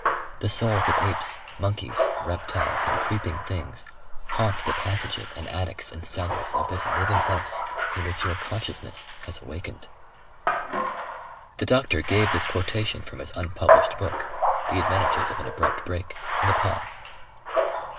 The souls of apes, monkeys, reptiles and creeping things haunt the passages and attics and cellars of this living house in which your consciousness has awakened...." The doctor gave this quotation from his unpublished book the advantages of an abrupt break and a pause.